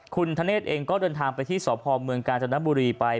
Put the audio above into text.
คุณธเนธเองก็เดินทางไปที่สพเมืองกาญจนบุรีไป